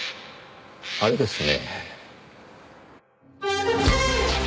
あれですね。